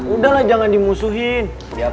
udahlah jangan dimusuhin